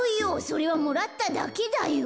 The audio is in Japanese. それはもらっただけだよ。